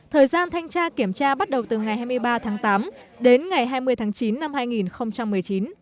thời gian thanh tra kiểm tra bắt đầu từ ngày hai mươi ba tháng tám đến ngày hai mươi tháng chín năm hai nghìn một mươi chín